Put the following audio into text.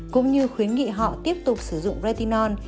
cũng như khuyến nghị họ tiếp tục sử dụng retion